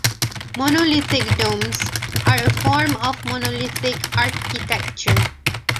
Monolithic domes are a form of monolithic architecture.